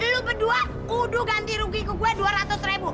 dulu berdua kudu ganti rugi ku gue dua ratus ribu